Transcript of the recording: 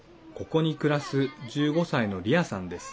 ここに暮らす１５歳のリアさんです。